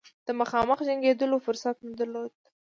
د مخامخ جنګېدلو فرصت نه درلود.